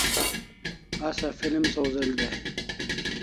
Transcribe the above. Asa film sawz'el dai